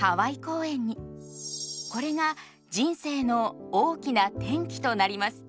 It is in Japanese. これが人生の大きな転機となります。